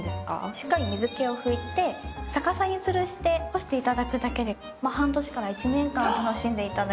しっかり水気を拭いて逆さにつるして干していただくだけで半年から１年間楽しんでいただけます。